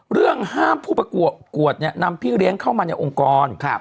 เรื่องห้ามผู้ประกวดเนี่ยนำพี่เลี้ยงเข้ามาในองค์กร